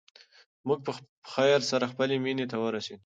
موږ په خیر سره خپلې مېنې ته ورسېدو.